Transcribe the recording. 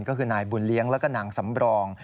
ก็คือนายบุญเลี้ยงแล้วก็นางสำรอง